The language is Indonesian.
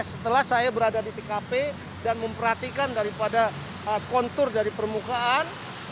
setelah saya berada di tkp dan memperhatikan daripada kontur dari permukaan